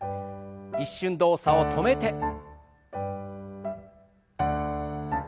一瞬動作を止めて。